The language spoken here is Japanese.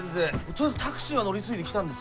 とりあえずタクシーを乗り継いできたんですよ。